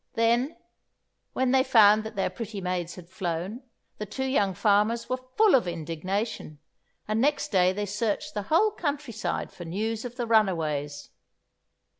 Then, when they found that their pretty maids had flown, the two young farmers were full of indignation; and next day they searched the whole country side for news of the runaways.